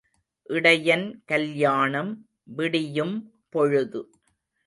இடையன் கல்யாணம் விடியும் பொழுது.